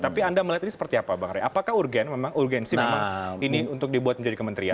tapi anda melihat ini seperti apa bang rey apakah urgen memang urgensi memang ini untuk dibuat menjadi kementerian